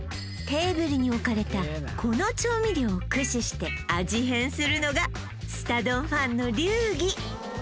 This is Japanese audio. テーブルに置かれたこの調味料を駆使して味変するのがすた丼ファンの流儀